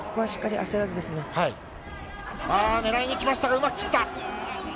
ああ、狙いにいきましたが、うまく切った。